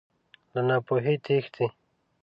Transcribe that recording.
له ناپوهۍ تښتې.